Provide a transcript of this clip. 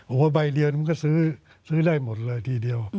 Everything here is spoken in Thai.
โอ้โหใบเดียวมันก็ซื้อได้หมดเลยทีเดียว